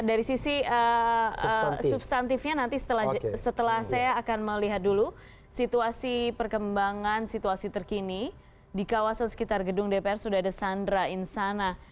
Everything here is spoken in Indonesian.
dari sisi substantifnya nanti setelah saya akan melihat dulu situasi perkembangan situasi terkini di kawasan sekitar gedung dpr sudah ada sandra insana